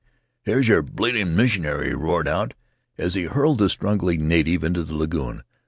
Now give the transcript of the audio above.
"Here's your bleeding missionary!' he roared out, as he hurled the struggling native into the lagoon.